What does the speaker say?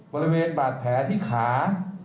บริเวณบาดแผลที่ขา